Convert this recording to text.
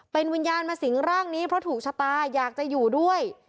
เป็นวิญญาณมาสิงร่างนี้เพราะถูกชะตาอยากจะอยู่ด้วย